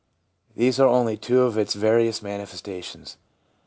These are only two of its various manifestations.